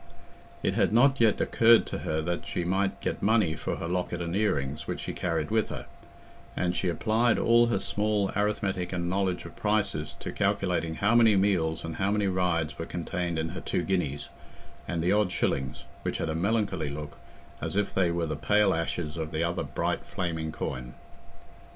It had not yet occurred to her that she might get money for her locket and earrings which she carried with her, and she applied all her small arithmetic and knowledge of prices to calculating how many meals and how many rides were contained in her two guineas, and the odd shillings, which had a melancholy look, as if they were the pale ashes of the other bright flaming coin.